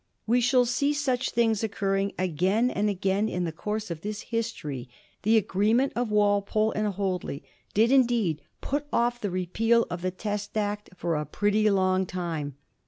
We shall see such things occurring again and again in the course of this history. The agreement of Walpole and Hoadley did, indeed, put off the repeal of the Test Act for a pretty long time.